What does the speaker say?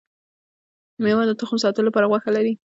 ميوه د تخم ساتلو لپاره غوښه لري